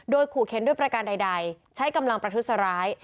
โดยขู่เข็นด้วยประการใดใช้กำลังประทุษร้าย